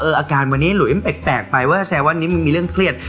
อาการวันนี้หลุอิมแปลกไปว่าแซววันนี้มันมีเรื่องเครียด